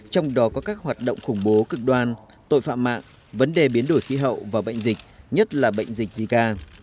trong đó có các hoạt động khủng bố cực đoan tội phạm mạng vấn đề biến đổi khí hậu và bệnh dịch nhất là bệnh dịch zika